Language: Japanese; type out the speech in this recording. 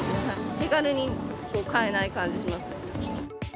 手軽に買えない感じしますね。